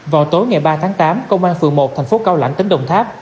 vào tối ngày ba tháng tám công an phường một tp cao lãnh tỉnh đồng tháp